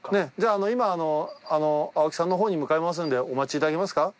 今青木さんのほうに向かいますんでお待ちいただけますか？